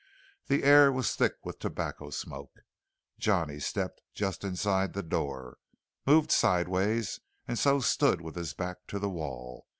The air was thick with tobacco smoke. Johnny stepped just inside the door, moved sideways, and so stood with his back to the wall.